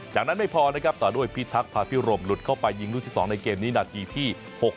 จากนั้นไม่พอนะครับต่อด้วยพิทักษาพิรมหลุดเข้าไปยิงลูกที่๒ในเกมนี้นาทีที่๖๖